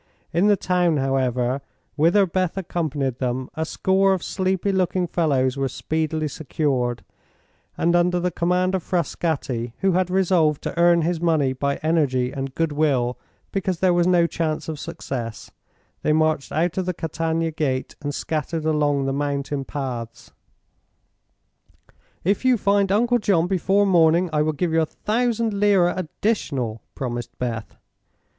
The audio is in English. In the town, however, whither Beth accompanied them, a score of sleepy looking fellows were speedily secured, and under the command of Frascatti, who had resolved to earn his money by energy and good will because there was no chance of success, they marched out of the Catania Gate and scattered along the mountain paths. "If you find Uncle John before morning I will give you a thousand lira additional," promised Beth.